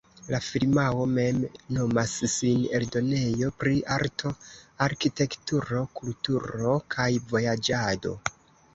La firmao mem nomas sin "eldonejo pri arto, arkitekturo, kulturo kaj vojaĝado".